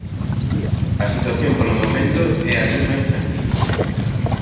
A situación, polo momento, é alí máis tranquila.